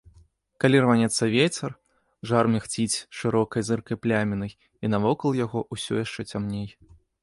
Калі рванецца вецер, жар мігціць шырокай зыркай плямінай, і навокал яго ўсё яшчэ цямней.